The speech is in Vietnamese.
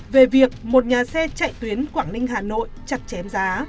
về việc một nhà xe chạy tuyến quảng ninh hà nội chặt chém giá